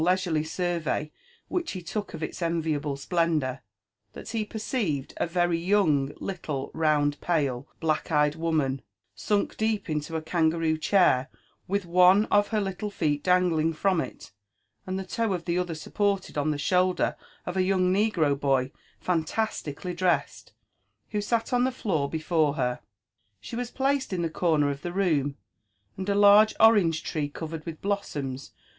leisurely survey which he Mk of its enviable splendour, that he perceived a very young, little, round, pale, black eyed woman sunk deep into a kangaroo chair with one or her little feet dangling from it, and the toe of the other supported on tlie shoulder of a young oegro*boy fantastically dressed, who sat on tlie floor before her. She was placed in the corner of the room, and a large orange tree, covered with blossoms